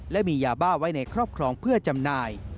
และมียาบ้าไว้ในครอบครองเพื่อจำหน่าย